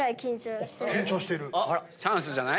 チャンスじゃない？